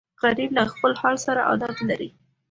غریب له خپل حال سره عادت لري